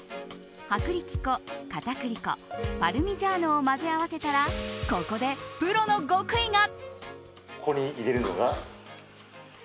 薄力粉、片栗粉パルミジャーノを混ぜ合わせたらここでプロの極意が。